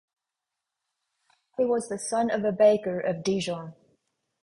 He was the son of a baker of Dijon.